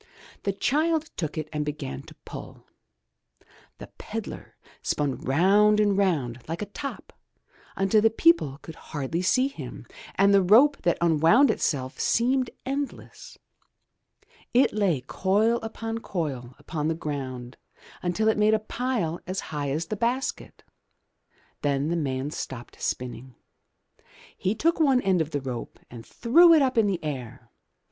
The child took it and began to pull. The pedlar spun round and round like a top until the people could hardly see him, and the rope that unwound itself seemed endless. It lay coil upon coil upon the ground until it made a pile as high as the basket. Then the man stopped spinning. He took one end of the rope and threw it up in the air.